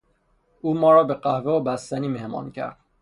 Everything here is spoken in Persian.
او ما را به قهوه و بستنی مهمان کرد.